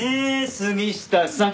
杉下さん。